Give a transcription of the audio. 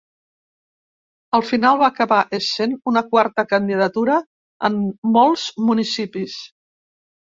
Al final va acabar essent una quarta candidatura en molts municipis.